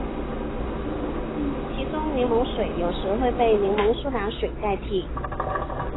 其中柠檬水有时会被柠檬苏打水代替。